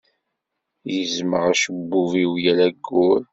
Gezzmeɣ acebbub-iw yal ayyur.